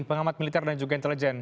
pengamat militer dan juga intelijen